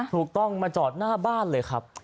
ถูกต้องมาจอดหน้าบ้านเลยครับ